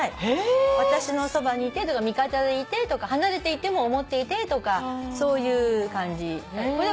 私のそばにいてとか味方でいてとか離れていても思っていてとかそういう感じ。